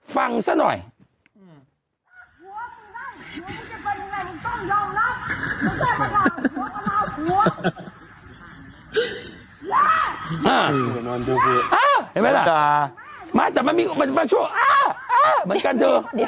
ฟังซะหน่อย